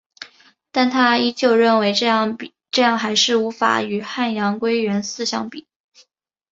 但她依旧认为这样还是无法与汉阳归元寺相比。